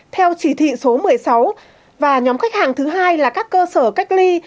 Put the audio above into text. theo chỉ thị số một mươi sáu và nhóm khách hàng thứ hai là các cơ sở cách ly